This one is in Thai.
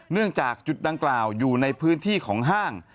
เนื่องจากจุดดังกล่าวอยู่ในพื้นที่ของห้าง